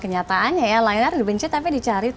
kenyataannya ya lion air dibenci tapi dicari